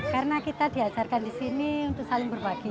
karena kita diajarkan di sini untuk saling berbagi